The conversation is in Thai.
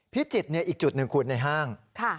พิจิตรอีกจุดหนึ่งคุณในห้าง